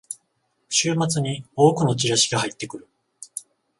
週末に多くのチラシが入ってくる